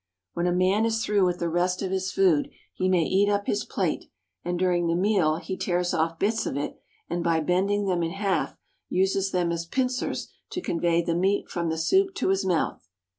When a man is through with the rest of his food, he may eat up his plate, and during the meal he tears off bits of it, and, by bending them in half, uses them as pincers to convey the meat from the soup to his mouth.